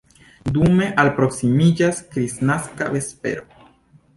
Dume alproksimiĝas kristnaska vespero.